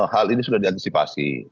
hal ini sudah diantisipasi